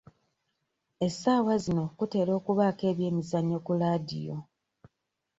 Essaawa zino kutera okubaako ebyemizannyo ku laadiyo.